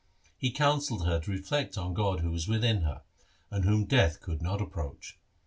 He counselled her to reflect on God who was within her, and whom death could not approach.